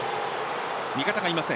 味方がいません。